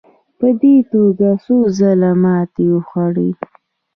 په دې توګه څو ځله ماتې وخوړې.